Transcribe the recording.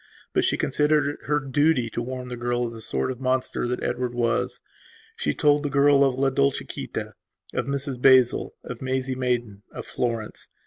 But she considered it to be her duty to warn the girl of the sort of monster that Edward was. She told the girl of La Dolciquita, of Mrs Basil, of Maisie Maidan, of Florence.